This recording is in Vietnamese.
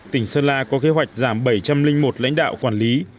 tỉnh sơn la có kế hoạch giảm bảy trăm linh một lãnh đạo quản lý